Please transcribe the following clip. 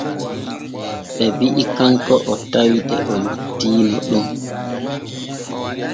Ɓe bi’i kanko o tawi de o yottiino ɗon.